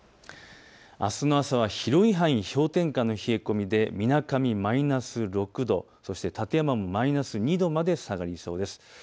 あすの朝は広い範囲、氷点下の冷え込みでみなかみマイナス６度、館山もマイナス２度まで下がりそうです。